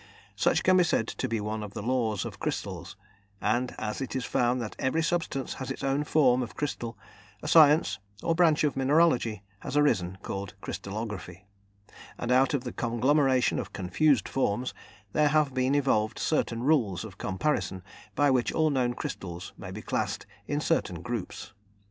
Such can be said to be one of the laws of crystals, and as it is found that every substance has its own form of crystal, a science, or branch of mineralogy, has arisen, called "crystallography," and out of the conglomeration of confused forms there have been evolved certain rules of comparison by which all known crystals may be classed in certain groups.